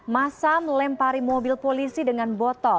masa melempari mobil polisi dengan botol